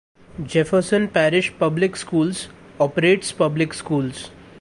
Jefferson Parish Public Schools operates public schools.